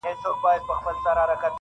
• غلیم تر نورو د خپل ضمیر وي -